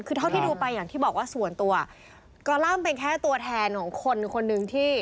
คือเท่าที่ดูไปอย่างที่บอกว่าส่วนตัวกอลัมเป็นแค่ตัวแทนของคนคนหนึ่งที่